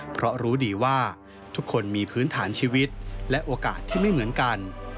เพราะรู้ดีว่าทุกคนมีพื้นฐานชีวิตและโอกาสที่ไม่เหมือนกัน